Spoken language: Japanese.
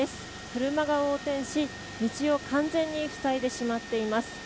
車が横転し道を完全に塞いでしまっています。